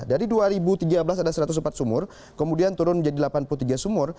dari dua ribu tiga belas ada satu ratus empat sumur kemudian turun menjadi delapan puluh tiga sumur